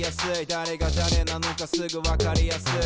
だれがだれなのかすぐわかりやすい。